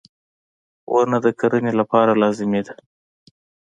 • ونه د کرنې لپاره لازمي ده.